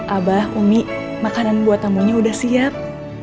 abah umi makanan buat tamunya udah siap